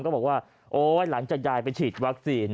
ก็บอกว่าโอ๊ยหลังจากยายไปฉีดวัคซีน